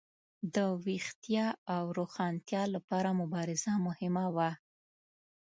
د ویښتیا او روښانتیا لپاره مبارزه مهمه وه.